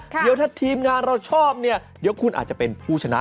เดี๋ยวถ้าทีมงานเราชอบเนี่ยเดี๋ยวคุณอาจจะเป็นผู้ชนะ